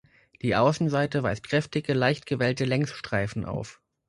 Die Außenseite weist kräftige, leicht gewellte Längsstreifen auf.